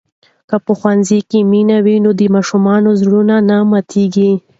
که په ښوونځي کې مینه وي نو د ماشومانو زړونه نه ماتېږي.